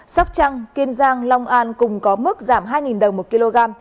sóc trăng kiên giang long an cùng có mức giảm hai đồng một kg